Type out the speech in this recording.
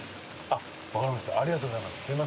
ありがとうございます。